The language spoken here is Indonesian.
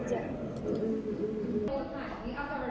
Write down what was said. tapi kualitasnya bagaimana